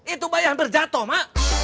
itu bayi hampir jatoh ma